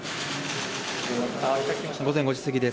午前５時すぎです。